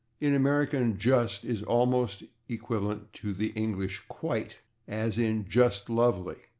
In American /just/ is almost equivalent to the English /quite/, as in /just lovely